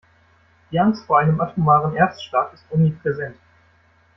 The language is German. Die Angst vor einem atomaren Erstschlag ist omnipräsent.